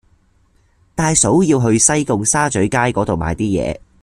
大嫂要去西貢沙咀街嗰度買啲嘢